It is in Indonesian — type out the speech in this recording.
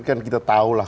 kan kita tahu lah